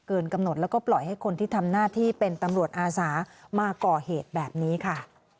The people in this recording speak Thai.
กำหนดแล้วก็ปล่อยให้คนที่ทำหน้าที่เป็นตำรวจอาสามาก่อเหตุแบบนี้ค่ะ